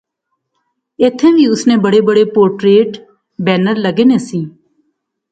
ایتھیں وی اس نے بڑے بڑے پورٹریٹ بینر لغے نے سے